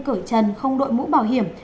cởi chân không đội mũ bảo hiểm